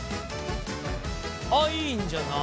あっいいんじゃない。